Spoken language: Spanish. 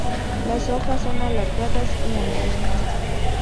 Las hojas son alargadas y angostas.